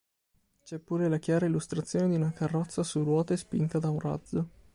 C'è pure la chiara illustrazione di una carrozza su ruote spinta da un razzo.